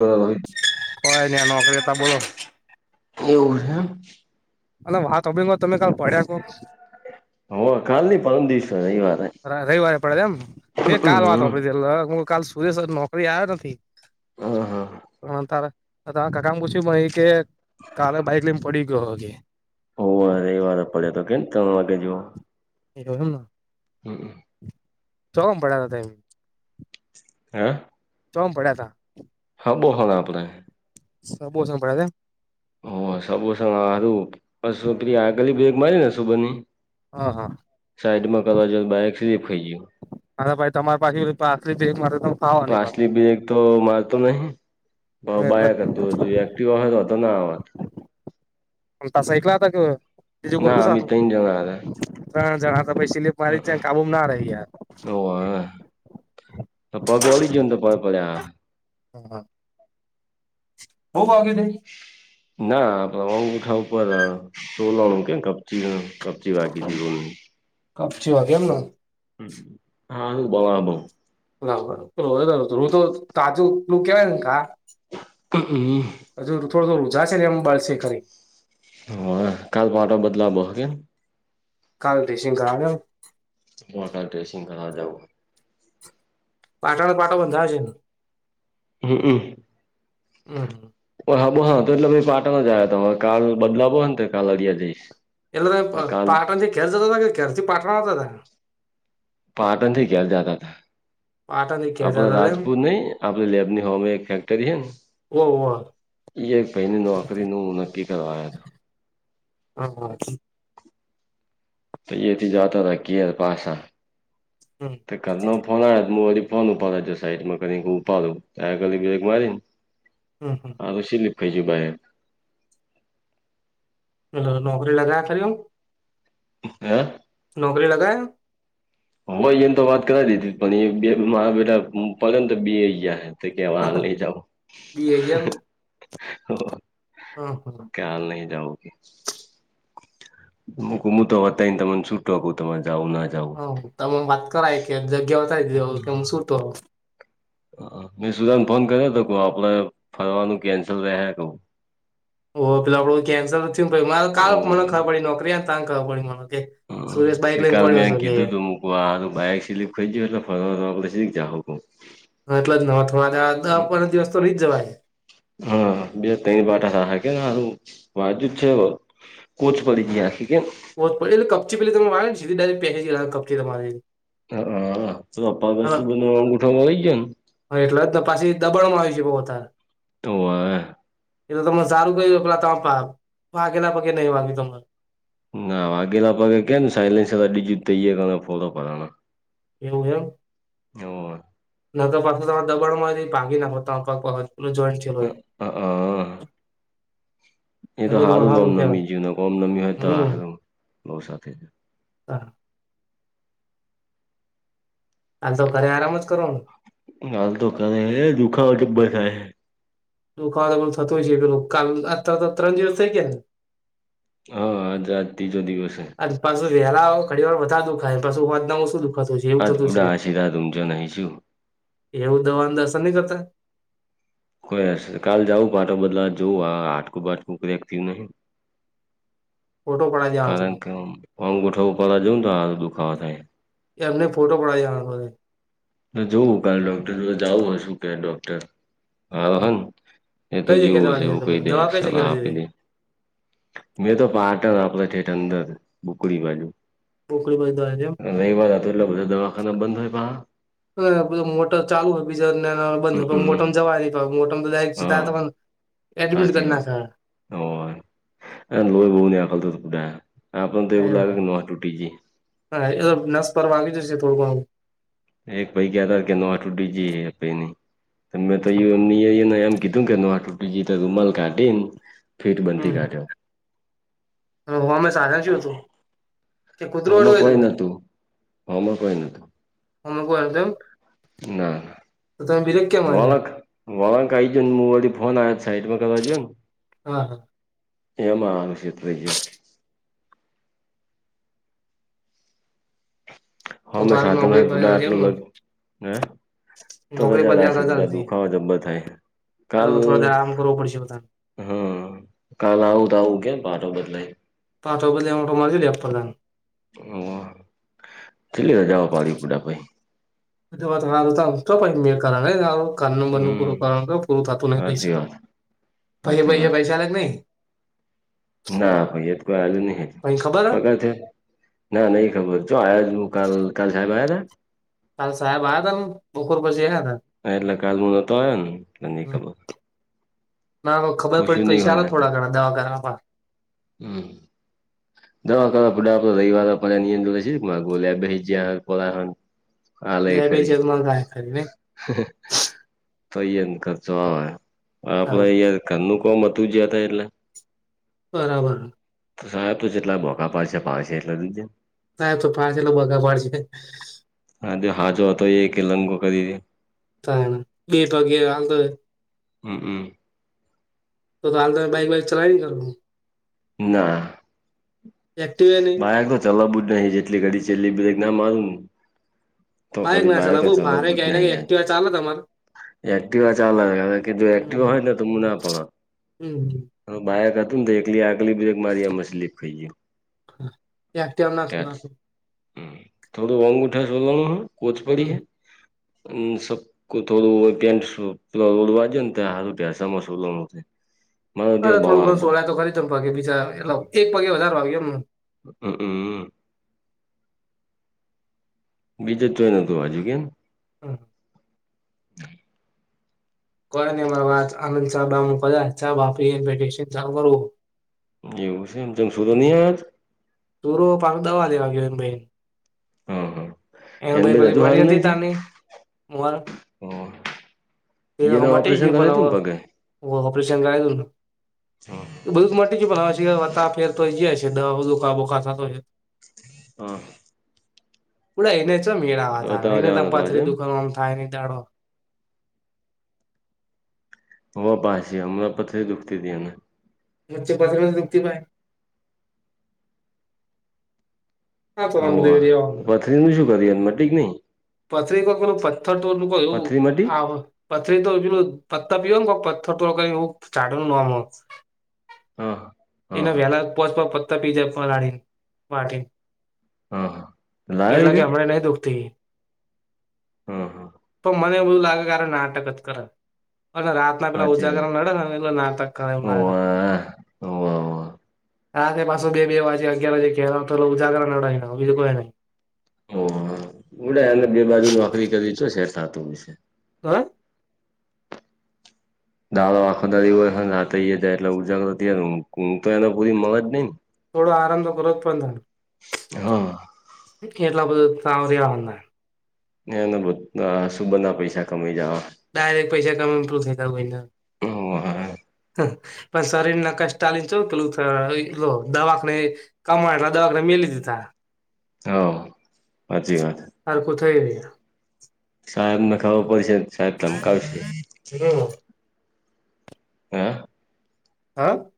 હા. કોઈ ન આ નોકરી હતા બોલો. એવર હે. અ વાત તમે કાલ પડ્યા શો. હ, કાલની પરમ દિવસે રયવારે. રવિવારે પડે એમ મેં કાલ વાતો આપડી કાલ સુરેશ નોકરી આવ્યો નથી. હા હા હમ તારા [unintelligible] કે કાલે બાઈક લયને પડી ગયો. હોવે રવિવારે પડયો તો કેઈક ત્રણ વાગે જેવો. હમ. હમ. [unintelligible] હા. ચો પડ્યા તા. હા બોહણા આપણે. [unintelligible] ઓ સમોસા હારું પછી છોકરીએ આગળની બ્રેક મારીને સુબરની. હા, હા. સાઈડમાં કરવા બાઈક સીપ ખઇ ગયો. અરે ભાઈ તમારી પાછી પાછલી મારે તો. તો પાછલી બ્રેક તો મારતો નહી પાછી એટલે બાઈક જ હતું હજુ એક્ટિવ હો તો વાધો પાછા એકલા હતા કે બીજું ના કોઈ અમે ત્રણ જણા હતા ત્રણ જણા હતા સીપ મારી જય કાબુના રહ્યા. ઓહ, પગ વડી ગયો તો [unintelligible] પડ્યા. હા. [unintelligible] ના અગુંઠા ઉપર [unintelligible] [unintelligible] કપચી વાગી એમને. હા, બરાબર. [unintelligible] તાજું કેવાયને ગા. હમ. હજુ થોડો રૂજા છે ને એમ બાળશે ખરી. [unintelligible] કાલ ડેસીગ કરાવ્યો. માડા ડ્રેસિંગ કરવા જવુ પાટોનો પાટો બંધાવ જે. હમ. હમ. હા બો હા તો એટલે અમે પાટણ જ આવયા તા કાલ બદલાવોને તો કાલ અરિયા જઈશ. એટલે [unintelligible] કાલ પાટણથી ઘેર જતા તા કે ધેરથી પાટણ આવતા હતા. પાટણથી ઘેર જાતા તા. પાટણ. આપલા રાજપુર નહી આપલે લેબની હોમ એક ફેક્ટરી હૈ ને. હોવ, હોવ. યે ભઈનું નોકરીનું નક્કી કરવા આયા હતા. હા હા. તો એથી જતા હતા ઘેર પાસા. હમ. ઘરનો ફોન આયો હું વરી ફોન ઉપાડવા સાઈડમાં કરી ઉપાડું તો આ કાલી બ્રેક મારીને. [inaudible] હમ હમ. અવે શીલીપ [unintelligible] ભાઈ એમ. નોકરી લગાવી આપેલ એમ. હે? નોકરી લગ [unintelligible] હોય એને તો વાત કરાવ દીધી પણ એ બે મારા બેેટા [unintelligible] તો કેવા હાલ નઈ જાવ. બી એમ હ હા. ખ્યાલ નહી જાઓગ. હ ગુમું તો બતાય ને તમને છૂટો કું તમારે જાવં ના જાવું. હ તમે વાત કરાય કે જગ્યા ઉતાારી દ કે હું સુુંતો આવું. મેં સુદાન ફોન કર્યો તો આપડે ફરવાનું કેન્સલ રહ્યા કું. ઓહ પેલા આપડું કેન્સલ થયુ પ મા કાલ મને ખબર પડી નોકરી ત ખબર પડી મને. સુરેશ બાઈક લઈને પડ્યો છે કે. કવા બક સ ખ [inaudible] જ ફ જાું. હ એટલે જ ન થવા દ પા દિવસ તો રહી જવાય. હા બે ત બાટાા કે નેારું [inaudible] વાજુ જ છે બ. કોચ કરીડી ગયાખ કે. ેટલે કપચીેલે ત વા [inaudible] નેા પ કપચી તમારી. હા તોપ સુું બ ન અંગૂઠામાં લઈ જાય ને. હ એટલે જને પાછી દબણમાં આવી જ બઉ અતારે. તો. એટલે તમે સારું ગય્યું પેલા તમેાગ ભઘેલા પગે નહીં વાગ્યું તમાર. ના વાઘેલા પગે ક ને સાયલન્સજું તૈય કર ફ પોતા પરણ. એવું એમ ઓવે ન તો પાછું ત દબાણમાં ભાગી નાખો ત કઈ. એલો જયન્ટ છે અ હોય. અ એ તો એટલું તમારે સારું કહેવાય લોમનમી જવ ઓમનમી હોય તો હમ સારું લો સાથે. હા. તાલ તો ઘરે આરામ જ કરો ને. હાલ તો કરે દુખાવા જબ્બર થાય. દુખાવા પણ થતો હોય છે પેલું ક અત ત્રણ દિવસ થઈ ગયા ને. હા આજ આજ ત્રીજો દિવસ છે. પાછું વહેલા ઘડી વાર વધારે દુખાય એ પાું વાતનામાં શું દુખાતું છે. એવું અ તો થતું છે પૂડા આશીર્વાદઊમજો નહીં છું. એવું દવા દસ ન કરતા. કોઈ હ કાલ જઉું પાટો બદલા જોવું આ હાટકું બાટકું કેરેક નહી. ફોટો પડા દે. કારણ કે હ પંગંગોઠવું પડ જોઉ તોાર દુખાવા થાય. એમને ફોટો પડાયે આવાનું. જોવું કાલે ડોક્ટર જાવું હ શું કે ડોક્ટર. હારો હન એ તો કઈ જગ્યા જેવું દવા હશે લીધી એવું તમે કહી દે દવા કઈ સલાહ જગ્યા આપી લીધી દે. મેં તો પાટણ આપડા છેઠ અંદર બુકડી બાજુ. બોકડી બધી દવા લીધી રહી વાત તો એટલે બધા દવાખાના બંધ હોય પ હ હધ મોટર ચાલુ હોય બીજા બંધ હોય હમમ મોટર ને જવા. સમુદાય હા સીતા એડમિટ કરના છે. હ લોહી બહુ ન આખતોા આપણને તો એવું લાગે કે ન તૂટી જઈ. હા એ નસ પર માંગી જશે થોડું. એક ભૈઈ કેતા તા કે ન આ ટૂટ દીજએઈ નહી. ત મેમે તો એમ એમ કીધું કેી મલ કાઢી ને. ફીટ બનતી કાઢ્યો. હ અમે સારા જો હતું, કે કુતરું વડુંય હતું. હામાં કોઈ નથીતું. હમ કો તો. ના ના. તો તમેીર [inaudible] વાળંક વાળંક આ આવીજન મુું વ ફોન આ સાઈટમાં કરવા જોન. હા હા. એમાંલક્ષષત્રયો [unintelligible] તો હા તો મેં હાલ સાચો નોકરી નથી પર પૂટ ચાલતી આટલો એમ ને લગ હ તો નોકરી રજા પરથી રાશ આગળ બા ચાલતી દુખાવા જબ્બર થાય. આ તો કાલ થોડો દાડો આમ કરવું પડશે બધાને હમ કાલ આવું તો આવું કેમ પારો બદલાય. પાટોપ લ એમ પાટો મારી લેપદને. ઓ છેલ્લી રજાઓ પાડી બુટા ભાઈ? વાત તો પાઈ મે કરું. કનું બનું હમ પૂરું કર પૂરું થતું ન હાચી પૈસા તો, વાત પૈ હાચી પૈસા વાત પૈસા આ કે નહી. ના ભાઈ એ તો કોઈ આજુ નહી હતું પહી ખબર હ પગડ છે. ના નહી ખબર જો આ્યા હું કાલ કાલ સાહેબ આવ્યા છે. કાલ સાહેબ આ હતા બપોર બજયા હતા. અ એટલે ક મુ નતો આવયો ને એટલે હમ નીકળ. ના ખબર પડી પસંદની પૈસા હોય આલે ના કે. થોડા ઘણા દવા કર. હમ. દવા કરવાા પ આપ રવવાર પડ નિંત્રણે છે ગોલ્યા બે જ. હાલે લે બે છે ખરી. મંગાય ખરી ને તો ખર્ચો આવે, આપડે તાણ અ કનું કોમ હતું જયા હતા એટલે. બરાબર. તો સાહેબ તો જેટલા મોકા પાડશે પા છે એટલા લીજે. ના તો પાચલા બગા માડશે. હા જો હાજો હતો એ કેલન ગો કરી દધ. ત બે પગ હ તો. હમ હમ. તો હાલ તમે બાઈક વાઈક ચલાવી ન કરું. ના એક્ટિવા નહી બાયકો તમે [unintelligible] જેટલી ઘડી એટલી બ્રેકના મારું ન તો બાઈક ઘડી ના ચલાવે બાાયકો બઉ ચલો ભારે કહેવાય એના [unintelligible] કરતા એક્ટિવા ચાલે તમારે યાર એક્ટિવા ચાલે અવે કીધુ એક્ટિવા હોયને તો [unintelligible] હમ્મ. એનું બાાયક અતું ને તો એકલી આગલી બ્રેક મારી એમાં સ્લીપ થઈ ગ્યુ અ [unintelligible] ના હમ્મ થોડું [unintelligible] શોધવાનું [unintelligible] કોતો કેમ સો [unintelligible] અરે થોડું ઘણ સોલાય તો ખરી તમ પગે બીજા એટલે એક પગે વધારે વાગ્યુ એમને હમ્મ અ બીજે ચોઈ નોતુ વાજયુ કેમ હમ્મ [unintelligible] ચાલુ કરુ જેવુ સે ને [unintelligible] દોરો પાન દવા લેવા ગ્યો એની પંઈ હમ્મ-હમ્મ. એને ભાઈ પલી પડી હતી તાની, હા [unintelligible] એન અવ ઈયોને મટી ઓપરેશન ગ્યુ પણ કરાયું અવ તું ને પગે ઓ ઓપરેશન કરાયુ તુ તો બધુ તો મટી ગયુ પણ અવ [unintelligible] તા ફેર તોઈ જયા અસે દવા [unintelligible] હાં [unintelligible] એને ચ મેળ આવાત, બતાવા એને તો જવાનો હતો આજે પથરી એમ દુખાવામાં થાય નહીં દાડો. હો પાસી હમના પથરી દુખતી તી એને. વચ્ચે પથરી દુખતી માઈ હા [unintelligible] [unintelligible] નહીં. પથરી નોકો પથ્થર તો ઓલું કોઈ એવું પથરી મટી આવે. પથરી તો હજું પતા પિઓગ ને પથ્થર થોડુંક કઈ એવું [unintelligible] હા. હા એના હા વહેલા પોત પતા પીજે પલાડીને [unintelligible] હા, હા. એટલે લાવી દે કે હમને નહીં દુખતી. હા હા તો મને એવું લાગે કારે નાટક જ કરે, અને રાત ના પેલા સાચી ઉજાગરા નડે એટલે નાટક કરે [unintelligible] વાત હોવે હોવે આ કે પાસો બે-બે વાર સે, અગિયાર વાગે [unintelligible] ઉજાગરા નડાય ને [unintelligible] ઓહ! ઉડે એટલે બે બાજુ નોકરી કરી છો સેટ થાતુ હશે. [unintelligible] દારો આખો દારી હોય હાઈ નાતય જાય, એટલે ઉજાગરું [unintelligible] એને પૂરી મગજ નઈન. થોડા આરામ તો કરવો જ પડે [unintelligible] હા. કેટલા બધા [unintelligible] એને બુ અહ સુબંધ ના પૈસા કમાઈ જાવા. ડાયરેક્ટ પૈસા કમાઈ ઇમ્પ્રુવ થતા કોઈના. પણ શરીરને કષ્ટાલીને ચુ પેલું ત જો દવાકને કમાય એટલા દવાકને મેલી દીધા. હો, હાચી વાત. હરખું થઈ રહ્યા. [unintelligible] ખબર પડશે. સાહેબ ધમકાવશે હમ્મ. હા. હા?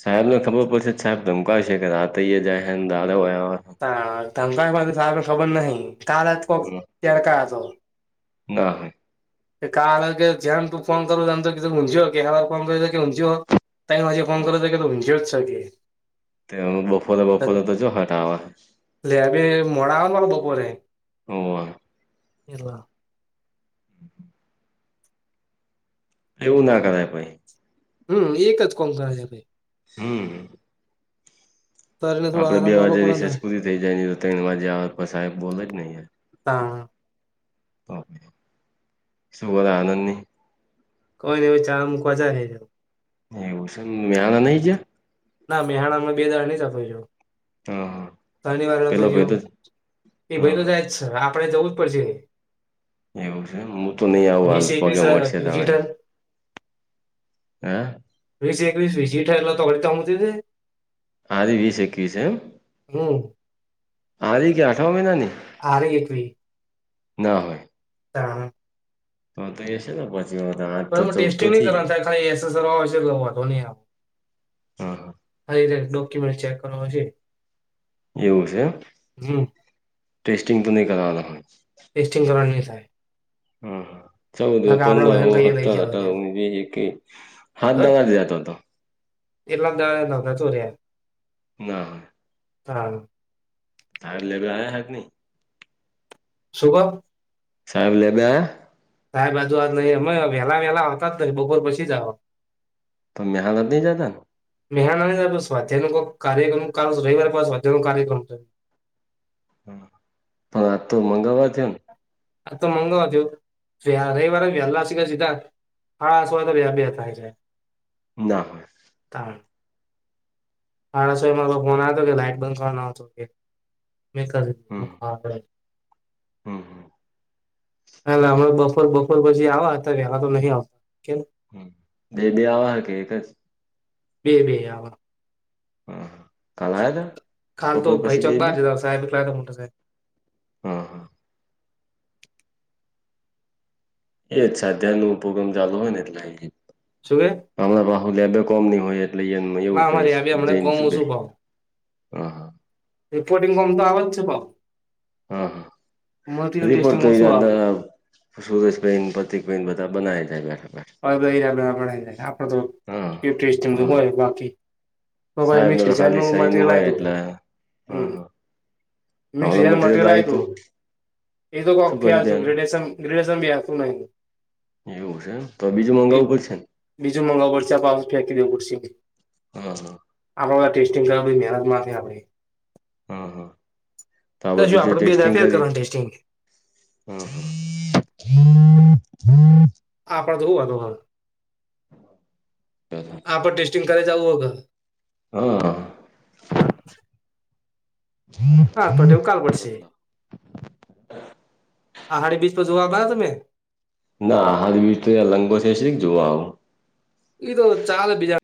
સાહેબને ખબર પડ છે [unintelligible] હા, ધંધા [unintelligible] ખબર નહિં આવે [unintelligible] ના હોય. કે કા [unintelligible] જેમ તું ફોન [unintelligible] તઈ મી ફોન હોય કર કે [unintelligible] તેમ બફોરે-બફોરે તો જો હટાવા. લેબે મોડા આવોન બપોરે. [inaudible] [inaudible] [inaudible] એવું ના કરાય ભઈ. હમ્મ એક જ કોમ થાય છે ભઈ હમ્મ. શરીરને થોડો આપડે આરામ બે તો આલવો વાજે પડે રિસેજ ને પૂરી થઈ જાય ન એ લો તઈણ વાજે આવે પસ સાહેબ બોલે જ ને અઈયા તણ હા, શું બોલો આનંદની? કોઈ દિવસ [unintelligible] એવું સે ને [unintelligible] નહીં જ્યાં? ના મેહણામ બે દા હા હા [unintelligible] ઘની વાર નોતો પેલો ભાઈ જ્યો, તો એ ભઈ હા હા કદાચ [unintelligible] આપડે જવું જ પડશે. એવું સે મું તો નઈ આવું વીસ હાલ એકવીસ પગે મડશે તણ વિઝિટર હેં વીસ એકવીસ [unintelligible] ખાલી વીસ એકવીસ એમ હમ આરી કે આઠવા મહિનાની હારી એકવી ના હોય [unintelligible] તો તો એશે ને પછી અવે તો આજ પણ તો એમાં ચૌદ તો ટેસ્ટિંગ થૈ [unintelligible] એટલે વોંધો નઈ આવ હા હા એજ ડોક્યુમેન્ટ ચેક કરવાના છે એવું સે એમ હમ ટેસ્ટિંગ તો નઈ કરવાના હોય ટેસ્ટિંગ તો અવે ની થાય હમ્મ ચૌદહો નકર આપડે બધાને પંદરહો કહીએ લઈ સતર જાઓ અઢાર ત્યાં. ઓગણી જે એ કે હાત હ દાડા જ રયા તો તો એટલા દાડા તો કચોર્યા ના [unintelligible] હા એટલે [unintelligible] શું કો સાહેબ લે બે સાહેબ અજુ આ જ નઈ એમવેલા વેલા આવતા જ નઈ બપોર પછી જ આવ તમને હા નથી જાતાને નેહાનો સ્વાધ્યાયનો કોક કાર્યક્રમ કાલ રવિવાર પાસ સ્વાધ્યાયનો કાર્યક્રમ સે હા [unintelligible] તો મંગાવવા થ્યો ન આ તો મંગાવા દ્યો જે આ રવિવારે વહેલા સ કે સીધા હા [unintelligible] બે થાય છે ના તાડ હાડા સ માં ફોન આયો તો કે લાઈટ બંધ [unintelligible] હમ્મ હમ્મ એટલે અમણાં બપોર બપોર પછી આવા તો રેવા તો નહી આવતો કેમ બે બે આવા હ કે એક જ બે બે આવા હા કાલ આયતો કાલ તો ભઈ [unintelligible] છે સાહેબ [unintelligible] મોટા સાહેબ હાં એ જ સાધ્યાયનુ પોગામ ચાલુ હોય ને એટલે [unintelligible] શું કે? અમણા બાહુલ્યા બે કોમ ની હોય એટલે ઈ એન ના એવું અમારે કેશ આ બે હમને જેઈન કોમ ઓછું સીધાઈ ભાવ હા હા રિપોર્ટિંગ કોમ તો આવે જ છે ભ હા હા ટેસ્ટિંગ એેપરતે ઓછું અ આવે સૂરજ ભાઈ ને પતિક ભાઈ બધ બનાયા જાય બેઠા બેઠ, આપડ બેઠા હા તો હા હોય બાકી હમ્મ ભાઈ મિક્સ સાહેબને તો ખાલી ડિઝાઇનનું સહીનું મટીરિયલ લાઈ હોય દઉ એટલે હા હં હા મિક્સ હમણાં ડિઝાઇનનું મટીરિયલ મટરિયલ લાઈ આવ્યું દઉ તું એ શું કર્યું તું એનું તો [unintelligible] [unintelligible] બેહતુ નઈ એવું સે ન તો બીજું એક મગાવવું પડશે ન બીજું મંગાવવું પડશે આ [unintelligible] હા હા. આપણે બધા ટેસ્ટિંગ કરવાથી મહેનતમાંથી આપડી હા હા તો આ શું બધું જે આપડે બે દાડા ટેસ્ટિંગ ફેલ કરીએ. કરવાનું ટેસ્ટિંગ [inaudible] આપડ તો શું વાતો હ.? હ હા. ટેસ્ટિંગ કરે જવું. હા હા [unintelligible] ટ્રપટેવું કાલ પડશે [unintelligible] આહડી બીચ પર જોવા તમે. ના હારવી તો લંગો છે શ જોવા આવું.? એઈ તો ચાલે બીજા